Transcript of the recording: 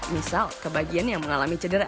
misal kebagian yang mengalami cedera